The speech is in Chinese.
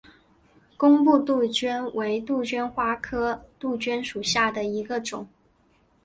工布杜鹃为杜鹃花科杜鹃属下的一个种。